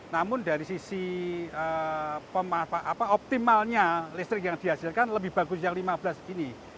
namun dari sisi optimalnya listrik yang dihasilkan lebih bagus yang lima belas ini